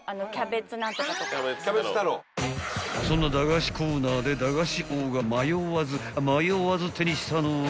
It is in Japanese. ［そんな駄菓子コーナーで駄菓子王が迷わずあっ迷わず手にしたのは］